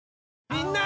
みんな！